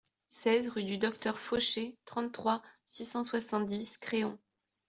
seize rue du Docteur Fauché, trente-trois, six cent soixante-dix, Créon